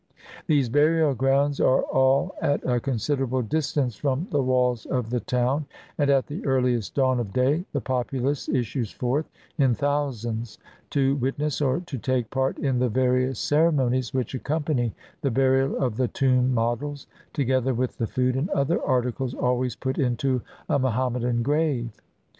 These burial grounds are all at a considerable dis tance from the walls of the town; and at the earhest dawn of day the populace issues forth in thousands, to witness or to take part in the various ceremonies which accompany the burial of the tomb models, together with the food and other articles always put into a Moham medan grave.